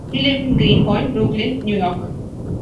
He lived in Greenpoint, Brooklyn, New York.